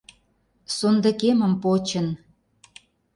Сондыкемым почын